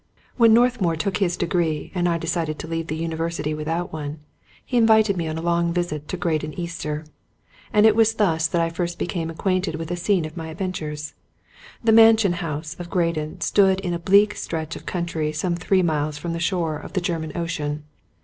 When Northmour took his degree and I decided to leave the university without one, he invited me on a long visit to Graden Easter; and it was thus that I first became ac quainted with the scene of my adventures. The mansion house of Graden stood in a bleak stretch of country some three miles from the shore of the German Ocean.